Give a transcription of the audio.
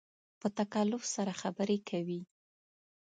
په تکلف سره خبرې کوې